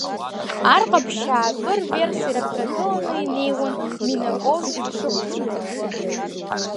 Ар Ҟаԥшьаа акыр верс ираԥхьагыланы, инеиуан Минаков иԥшыхәцәа.